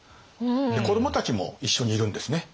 子どもたちも一緒にいるんですね。